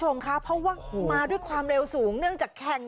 หนุ่นมอเตอร์ไซค์